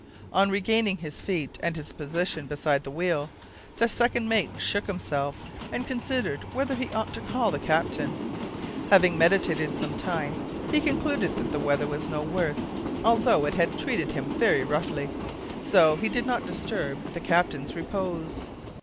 On regaining his feet, and his position beside the wheel, the second mate shook himself and considered whether he ought to call the captain. Having meditated some time, he concluded that the weather was no worse, although it had treated him very roughly, so he did not disturb the captain's repose.